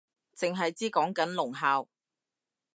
剩係知講緊聾校